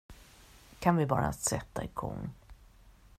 Kan vi bara sätta igång?